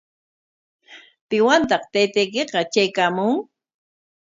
¿Piwantaq taytaykiqa traykaamun?